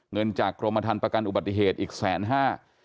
เงินจากกรมฐานประกันอุบัติเหตุอีกแสนห้า